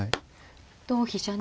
同飛車に。